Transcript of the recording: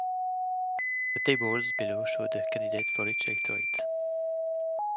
The tables below show the candidates for each electorate.